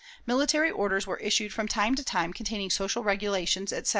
Military orders were issued from time to time containing social regulations, etc.